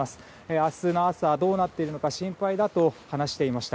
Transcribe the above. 明日の朝どうなっているのか心配だと話していました。